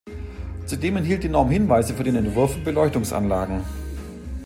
Zudem enthielt die Norm Hinweise für den Entwurf von Beleuchtungsanlagen.